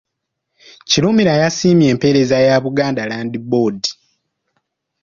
Kirumira yasiimye empeereza ya Buganda Land Board.